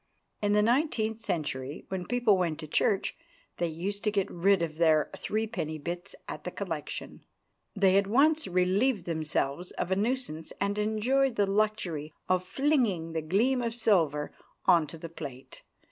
In the nineteenth century, when people went to church, they used to get rid of their threepenny bits at the collection. They at once relieved themselves of a nuisance, and enjoyed the luxury of flinging the gleam of silver on to the plate.